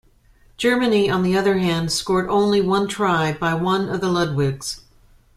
Germany, on the other hand, scored only one try, by one of the Ludwigs.